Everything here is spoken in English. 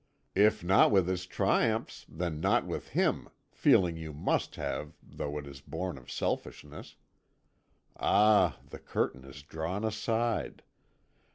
If not with his triumphs, then not with him! Feeling you must have, though it is born of selfishness. Ah! the curtain is drawn aside.